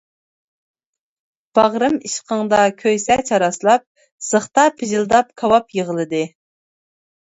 باغرىم ئىشقىڭدا كۆيسە چاراسلاپ، زىختا پىژىلداپ كاۋاپ يىغلىدى.